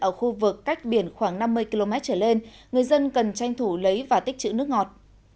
ở khu vực cách biển khoảng năm mươi km trở lên người dân cần tranh thủ lấy và tích chữ nước ngọt